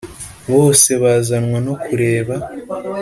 bose bazanwa no kureba